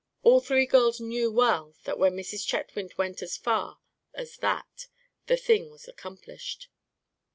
All three girls knew well that when Mrs. Chetwynd went as far as that the thing was accomplished.